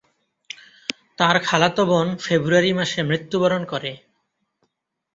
তার খালাতো বোন ফেব্রুয়ারি মাসে মৃত্যুবরণ করে।